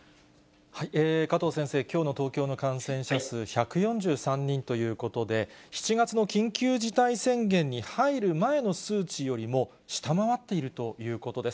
加藤先生、きょうの東京の感染者数１４３人ということで、７月の緊急事態宣言に入る前の数値よりも下回っているということです。